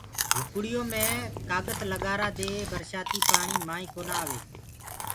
جھوپڙِيو مي ڪآگت لگآرآ دي برشآتيٚ پآڻيٚ مآئينٚ ڪونآ آوي